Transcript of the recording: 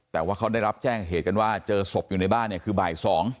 แต่ว่าเขาได้รับแจ้งเหตุกันว่าเจอศพอยู่ในบ้านเนี่ยคือบ่าย๒